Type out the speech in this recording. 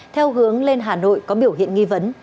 theo hướng lên hà nội có biểu hiện nghi vấn